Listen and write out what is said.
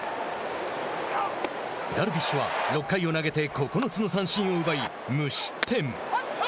ダルビッシュは６回を投げて９つの三振を奪い無失点。